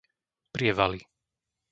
Prievaly